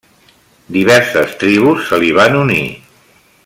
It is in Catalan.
Diverses tribus se li van unir.